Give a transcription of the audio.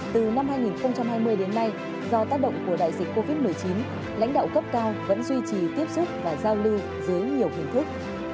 từ năm hai nghìn hai mươi đến nay do tác động của đại dịch covid một mươi chín lãnh đạo cấp cao vẫn duy trì tiếp xúc và giao lưu dưới nhiều hình thức